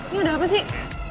ini udah apa sih